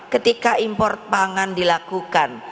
ketika impor pangan dilakukan